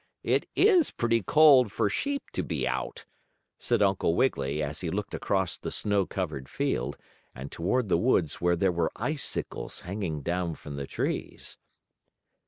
It is pretty cold for sheep to be out," said Uncle Wiggily, as he looked across the snow covered field, and toward the woods where there were icicles hanging down from the trees.